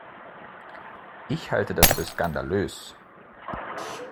Ich halte das für skandalös!